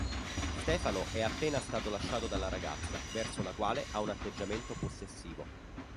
Stefano è appena stato lasciato dalla ragazza, verso la quale ha un atteggiamento possessivo.